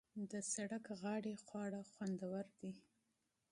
د سړک غاړې خواړه خوندور دي.